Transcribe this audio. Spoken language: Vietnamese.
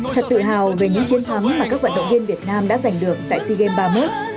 thật tự hào về những chiến thắng mà các vận động viên việt nam đã giành được tại sea games ba mươi một